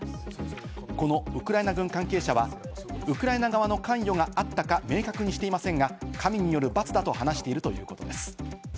このウクライナ軍関係者は、ウクライナ側の関与があったか明確にしていませんが、神による罰だと話しているということです。